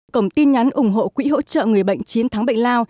cổng tin nhắn ủng hộ quỹ hỗ trợ người bệnh chiến thắng bệnh lao